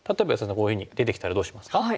こういうふうに出てきたらどうしますか？